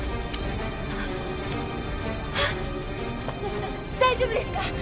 あっ大丈夫ですか？